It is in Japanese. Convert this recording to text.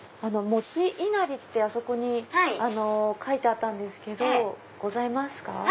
餅いなりってあそこに書いてあったんですけどございますか？